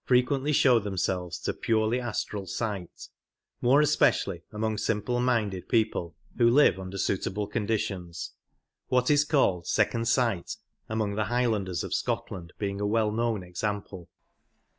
^^ frequently show themselves to purely astral sight, more especially among simple minded people who live under suitable conditions — what is called 89 " second sight " among the Highlanders of Scotland being a well known example.